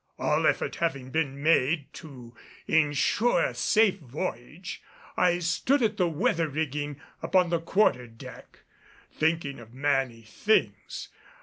All effort having been made to insure a safe voyage I stood at the weather rigging upon the quarter deck, thinking of many things.